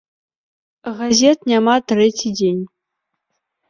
Газет няма трэці дзень.